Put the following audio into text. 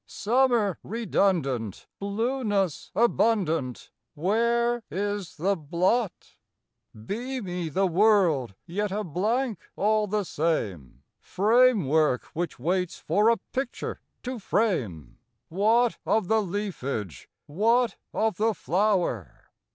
Summer redundant, Blueness abundant, Where is the blot? Beamy the world, yet a blank all the same, Framework which waits for a picture to frame: What of the leafage, what of the flower?